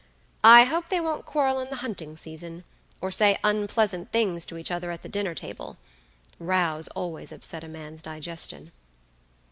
I hope they won't quarrel in the hunting season, or say unpleasant things to each other at the dinner table; rows always upset a man's digestion.